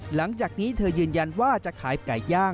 หลังจากนี้เธอยืนยันว่าจะขายไก่ย่าง